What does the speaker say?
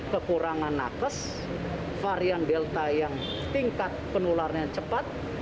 kekurangan nakes varian delta yang tingkat penularnya cepat